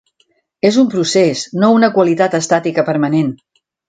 És un procés, no una qualitat estàtica permanent.